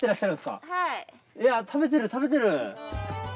いやぁ食べてる食べてる。